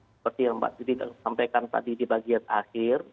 seperti yang mbak titi sampaikan tadi di bagian akhir